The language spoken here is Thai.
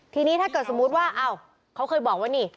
ทีนี้ถ้าเกิดสมมุติว่าอ้าวเขาเคยบอกว่านี่